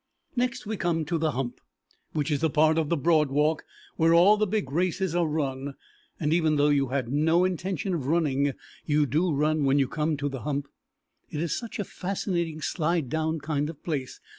Next we come to the Hump, which is the part of the Broad Walk where all the big races are run, and even though you had no intention of running you do run when you come to the Hump, it is such a fascinating, slide down kind of place.